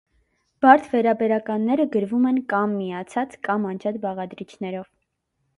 Բարդ վերաբերականները գրվում են կա՛մ միացած, կա՛մ անջատ բաղադրիչներով։